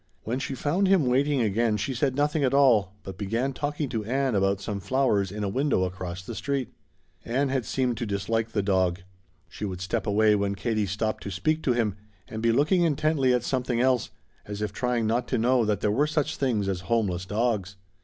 When she found him waiting again she said nothing at all, but began talking to Ann about some flowers in a window across the street. Ann had seemed to dislike the dog. She would step away when Katie stopped to speak to him and be looking intently at something else, as if trying not to know that there were such things as homeless dogs.